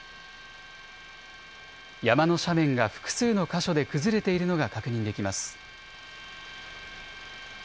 山の斜面が複数の箇所で崩れているのが確認できます。